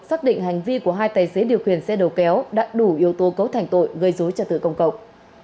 xác định hành vi của hai tài xế điều khiển xe đầu kéo đã đủ yếu tố cấu thành tội gây dối trật tự công cộng